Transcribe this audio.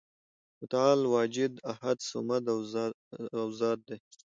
متعال واجد، احد، صمد او ذات دی ،